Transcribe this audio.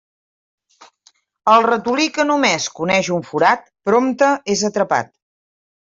El ratolí que només coneix un forat, prompte és atrapat.